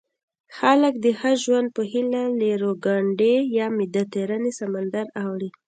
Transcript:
خلک د ښه ژوند په هیله له ریوګرانډي یا مدیترانې سمندر اوړي.